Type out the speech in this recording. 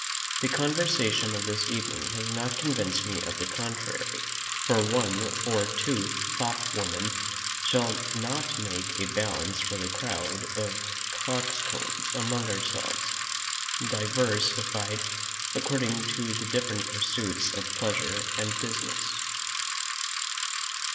The conversation of this evening has not convinced me of the contrary; for one or two fop women shall not make a balance for the crowd of coxcombs among ourselves, diversified according to the different pursuits of pleasure and business.